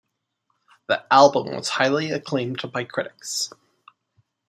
The album was highly acclaimed by critics.